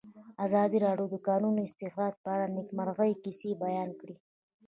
ازادي راډیو د د کانونو استخراج په اړه د نېکمرغۍ کیسې بیان کړې.